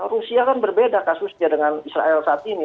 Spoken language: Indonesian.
rusia kan berbeda kasusnya dengan israel saat ini